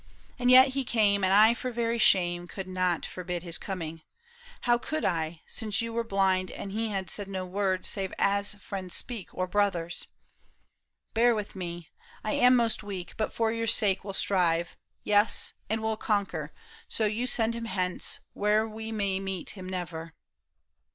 And yet he came, and I for very shame Could not forbid his coming. How could I, 54 PAUL ISHAM. Since you were blind, and he had said no words Save as friends speak or brothers ! Bear with me ; I am most weak, but for your sake will strive. Yes, and will conquer, so you send him hence Where we may meet him never."